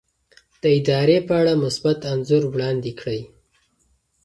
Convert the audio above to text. د ادارې په اړه مثبت انځور وړاندې کړئ.